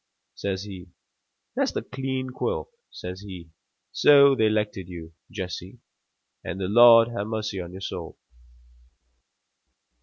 says he. 'That's the clean quill,' says he. So they 'lected you, Jesse. And the Lord ha' mercy on your soul!"